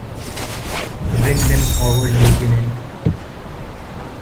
Bring them forward, lieutenant.